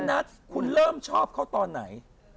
นัทคุณเริ่มชอบเขาตอนไหน